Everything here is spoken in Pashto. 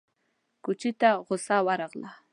کوچي ته غوسه ورغله!